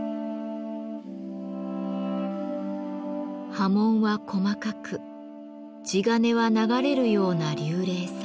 刃文は細かく地鉄は流れるような流麗さ。